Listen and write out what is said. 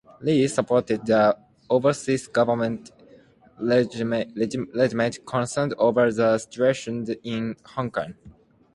Lee supported the overseas governments legitimate concern over the situation in Hong Kong.